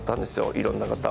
いろんな方を。